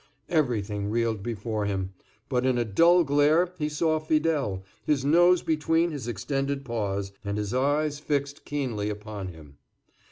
Everything reeled before him, but in a dull glare he saw Fidele, his nose between his extended paws, and his eyes fixed keenly upon him.